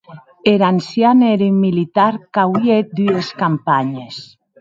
Er ancian ère un militar qu'auie hèt dues campanhes.